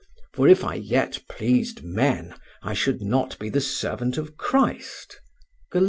For if I yet pleased men, I should not be the servant of Christ" (Galat.